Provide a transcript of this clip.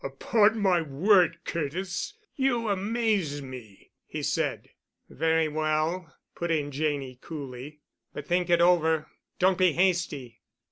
"Upon my word, Curtis, you amaze me," he said. "Very well," put in Janney coolly. "But think it over. Don't be hasty.